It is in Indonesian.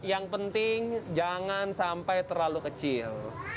yang penting jangan sampai terlalu kecil